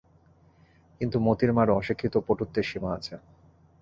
কিন্তু মোতির মারও অশিক্ষিতপটুত্বের সীমা আছে।